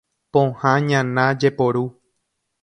Pohã ñana jeporu.